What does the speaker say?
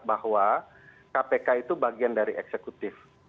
bahwa kpk itu bagian dari eksekutif